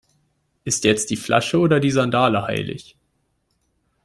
Ist jetzt die Flasche oder die Sandale heilig?